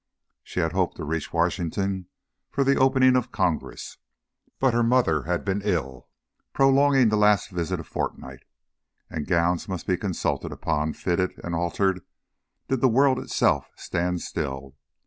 She had hoped to reach Washington for the opening of Congress, but her mother had been ill, prolonging the last visit a fortnight, and gowns must be consulted upon, fitted and altered did the world itself stand still.